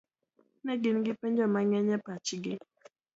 Ne gin gi penjo mang'eny e pachgi.